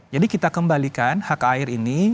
jadi kita kembalikan hak air ini